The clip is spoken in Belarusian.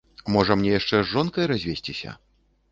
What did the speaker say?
Можа, мне яшчэ з жонкай развесціся?